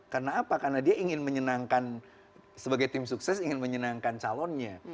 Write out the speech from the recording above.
karena apa karena dia ingin menyenangkan sebagai tim sukses ingin menyenangkan calonnya